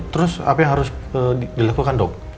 terus apa yang harus dilakukan dok